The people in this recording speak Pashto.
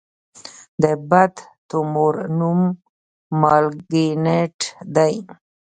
د بد تومور نوم مالېګننټ دی.